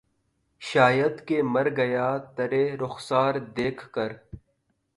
شاید کہ مر گیا ترے رخسار دیکھ کر